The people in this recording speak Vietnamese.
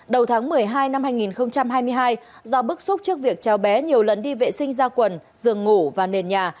đầu tháng một mươi hai năm hai nghìn hai mươi hai do bức xúc trước việc cháu bé nhiều lần đi vệ sinh ra quần giường ngủ và nền nhà